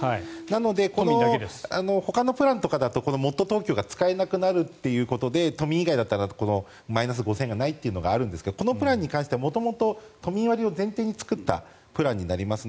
なのでほかのプランとかだともっとＴｏｋｙｏが使えなくなるということで都民以外ならマイナス５０００円がないというのがあるんですがこのプランに関しては元々都民割を前提に作ったプランになります。